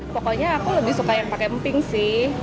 pokoknya aku lebih suka yang pakai emping sih